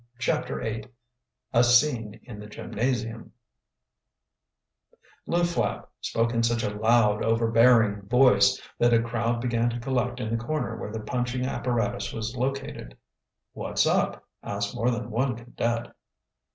CHAPTER VIII A SCENE IN THE GYMNASIUM Lew Flapp spoke in such a loud, overbearing voice that a crowd began to collect in the corner where the punching apparatus was located. "What's up?" asked more than one cadet.